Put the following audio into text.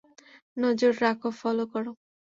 নজর রাখো, ফলো করো।